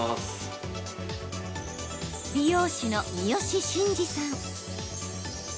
美容師の三好真二さん。